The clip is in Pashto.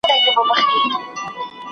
¬ مار د بل په لاس مه وژنه!